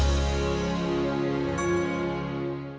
kita gimana ntar nochmal terbuka nih